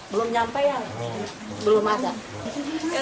belum nyampe ya belum ada